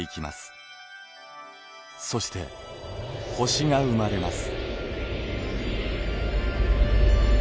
そして星が生まれます。